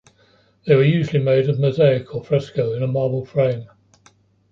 They were usually made of mosaic or fresco in a marble frame.